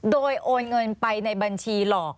โดยโอนเงินไปในบัญชีหลอก